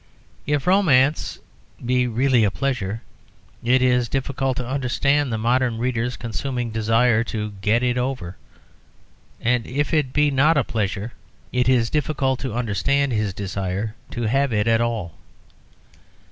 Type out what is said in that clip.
If romance be really a pleasure, it is difficult to understand the modern reader's consuming desire to get it over, and if it be not a pleasure, it is difficult to understand his desire to have it at all.